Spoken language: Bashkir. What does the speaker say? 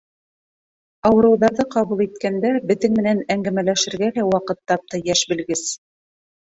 Ауырыуҙарҙы ҡабул иткәндә беҙҙең менән әңгәмәләшергә лә ваҡыт тапты йәш белгес.